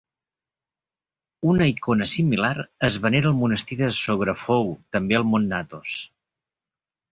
Una icona similar es venera al monestir de Zographou, també al Mont Athos.